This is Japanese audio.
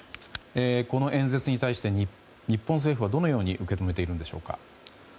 この演説に対して日本政府はどのように受け止めているのでしょうか。